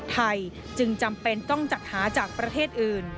จึงจำเป็นต้องจัดหาจากประเทศอื่น